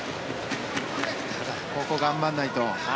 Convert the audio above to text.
ここ、頑張らないと。